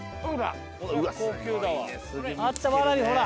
あったわらびほら。